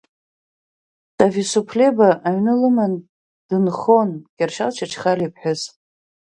Ҭависуԥлеба аҩны лыманы дынхон Кьыршьал Чачхалиа иԥҳәыс.